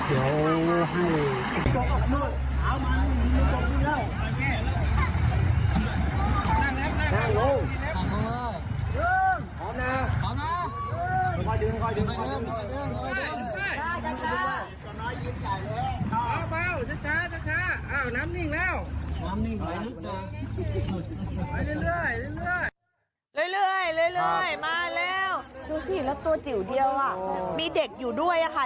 เรื่อยมาแล้วดูสิแล้วตัวจิ๋วเดียวมีเด็กอยู่ด้วยค่ะ